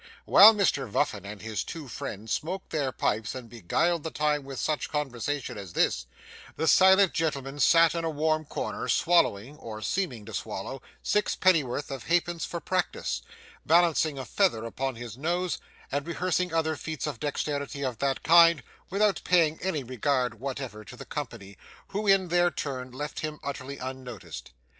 While Mr Vuffin and his two friends smoked their pipes and beguiled the time with such conversation as this, the silent gentleman sat in a warm corner, swallowing, or seeming to swallow, sixpennyworth of halfpence for practice, balancing a feather upon his nose, and rehearsing other feats of dexterity of that kind, without paying any regard whatever to the company, who in their turn left him utterly unnoticed.